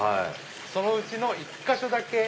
そのうちの１か所だけ。